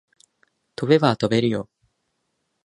飛べば飛べるよ